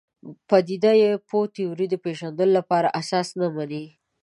پدیده پوه تیورۍ د پېژندلو لپاره اساس نه مني.